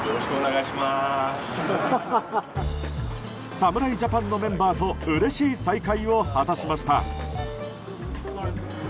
侍ジャパンのメンバーとうれしい再会を果たしました。